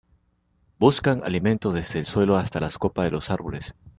Buscan alimento desde el suelo hasta las copas de los árboles.